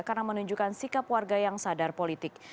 karena menunjukkan sikap warga yang sadar politik